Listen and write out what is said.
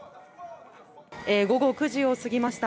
午後９時を過ぎました。